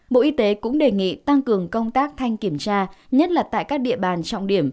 bộ y tế cũng đề nghị tăng cường công tác thanh kiểm tra nhất là tại các địa bàn trọng điểm